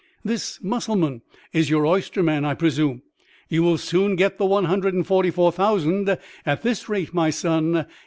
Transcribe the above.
This Mussulman is your oyster man, I presume? You will soon get the one hundred and forty four thousand at this rate, my son!